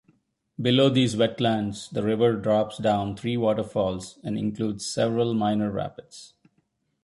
Below these wetlands the river drops down three waterfalls and includes several minor rapids.